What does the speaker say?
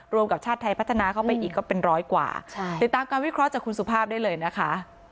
กับชาติไทยพัฒนาเข้าไปอีกก็เป็นร้อยกว่าใช่ติดตามการวิเคราะห์จากคุณสุภาพได้เลยนะคะ